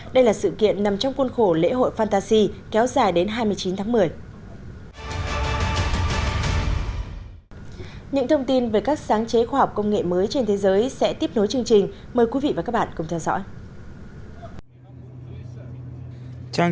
đây là sự kiện nằm trong khuôn khổ lễ hội fantasy kéo dài đến hai mươi chín tháng một mươi